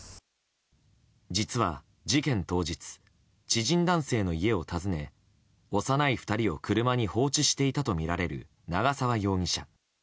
実は事件当日知人男性の家を訪ね幼い２人を車に放置していたとみられる長沢容疑者。